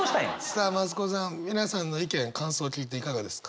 さあ増子さん皆さんの意見感想聞いていかがですか？